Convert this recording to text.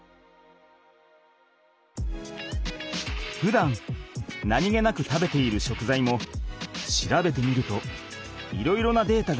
ふだん何気なく食べている食材も調べてみるといろいろなデータが発見できる。